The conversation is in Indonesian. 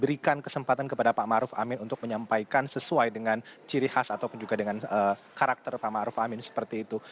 diberikan kesempatan kepada pak ma'ruf amin untuk menyampaikan sesuai dengan ciri khas ataupun juga dengan karakter pak ma'ruf amin seperti itu